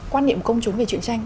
quan niệm công chúng về chuyện tranh